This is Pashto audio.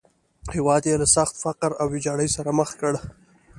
هېواد یې له سخت فقر او ویجاړۍ سره مخ کړ.